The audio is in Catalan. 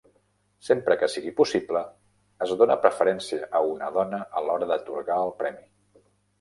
Sempre que sigui possible, es dona preferència a una dona a l'hora d'atorgar el premi.